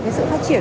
cái sự phát triển